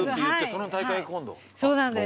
そうなんです。